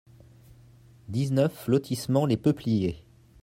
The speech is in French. dix-neuf lotissement Les Peupliers